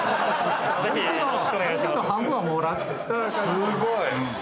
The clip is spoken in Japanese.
すごい！